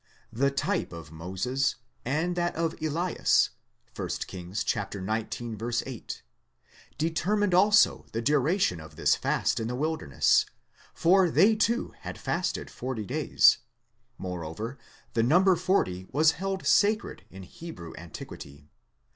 'The type of Moses and that of Elias (1 Kings xix. 8), determined also the duration of this fast in the wilderness, for they too had fasted forty days; moreover, the number forty was held 'sacred in Hebrew antiquity.